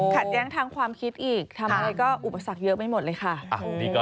ขัดแย้งทางความคิดอีกทำอะไรก็อุปสรรคเยอะไม่หมดเลยค่ะ